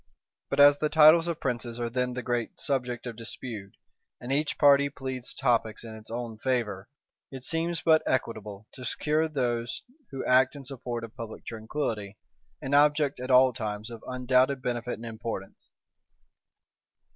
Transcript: But as the titles of princes are then the great subject of dispute, and each party pleads topics in its own favor, it seems but equitable to secure those who act in support of public tranquillity, an object at all times of undoubted benefit and importance.